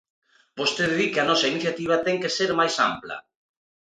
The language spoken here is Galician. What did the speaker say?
Vostede di que a nosa iniciativa ten que ser máis ampla.